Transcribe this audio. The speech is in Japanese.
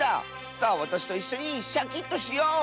さあわたしといっしょにシャキッとしよう！